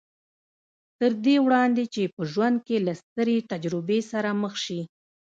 تر دې وړاندې چې په ژوند کې له سترې تجربې سره مخ شي